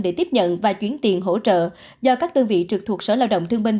để tiếp nhận và chuyển tiền hỗ trợ do các đơn vị trực thuộc sở lao động thương binh